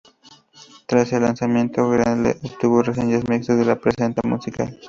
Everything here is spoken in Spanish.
Tras su lanzamiento, "Greendale" obtuvo reseñas mixtas de la prensa musical.